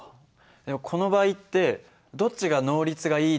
でもこの場合ってどっちが能率がいいっていえるの？